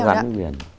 nó gắn với biển